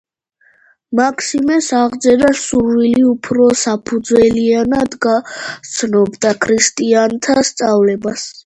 მაქსიმეს აღეძრა სურვილი, უფრო საფუძვლიანად გასცნობოდა ქრისტიანთა სწავლებას.